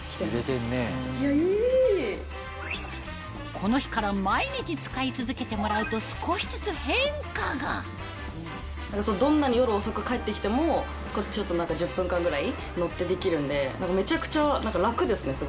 この日から毎日使い続けてもらうと少しずつ変化がどんなに夜遅く帰ってきてもちょっと１０分間ぐらい乗ってできるんでめちゃくちゃ楽ですねすごい。